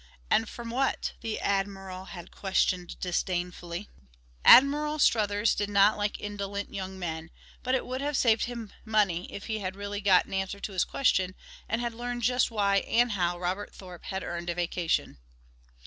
And from what? the Admiral had questioned disdainfully. Admiral Struthers did not like indolent young men, but it would have saved him money if he had really got an answer to his question and had learned just why and how Robert Thorpe had earned a vacation.